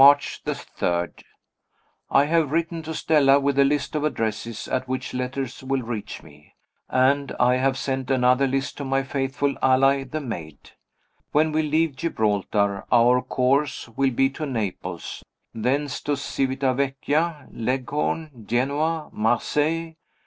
March 3. I have written to Stella, with a list of addresses at which letters will reach me; and I have sent another list to my faithful ally the maid. When we leave Gibraltar, our course will be to Naples thence to Civita Vecchia, Leghorn, Genoa, Marseilles.